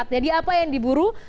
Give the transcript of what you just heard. jadi apa yang diburu